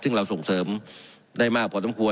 ซึ่งเราส่งเสริมได้มากกว่าทั้งควร